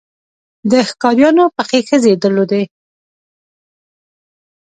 د ښکاریانو پخې خزې یې درلودې.